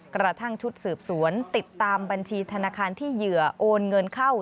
กระทั่งชุดสืบสวนติดตามบัญชีธนาคารที่เหยื่อโอนเงินเข้า